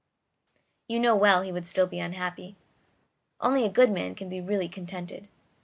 You know well he would still be unhappy. Only a good man can be really contented."